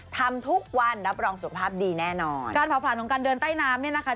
ทำทุกวันรับรองสุขภาพดีแน่นอนการเผาผลาญของการเดินใต้น้ำเนี่ยนะคะ